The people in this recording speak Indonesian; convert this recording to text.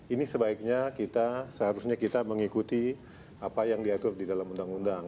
ini sebaiknya kita seharusnya kita mengikuti apa yang diatur di dalam undang undang